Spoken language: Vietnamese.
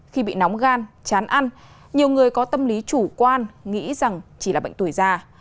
khi bị nóng gan chán ăn nhiều người có tâm lý chủ quan nghĩ rằng chỉ là bệnh tuổi già